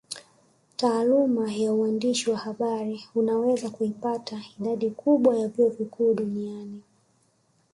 Taaluma ya uandishi wa habari unaweza kuipata idadi kubwa ya vyuo vikuu duniani